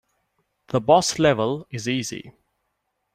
The boss level is easy.